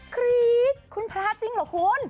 กรี๊ดคุณพระจริงเหรอคุณ